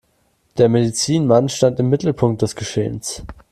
Der Medizinmann stand im Mittelpunkt des Geschehens.